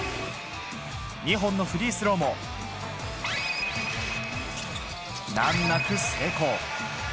２本のフリースローも、難なく成功。